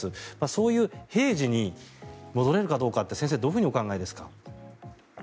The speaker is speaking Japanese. そういう平時に戻れるかどうかって先生、どうお考えですか？